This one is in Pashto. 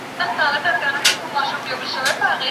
استاد په حیرانتیا پوښتنه وکړه چي د څيړني سرچینې مو کومي دي؟